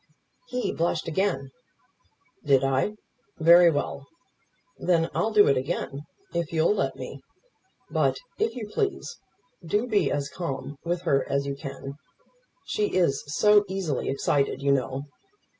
He blushed again. "Did I? Very well. Then I'll do it again if you'll let me. But, if you please, do be as calm with her as you can. She is so easily excited, you know.